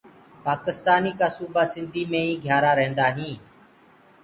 پآڪِستآني ڪآ سوُبآ سندهيٚ مينٚ ئي گھِيآرآ ريهدآئين۔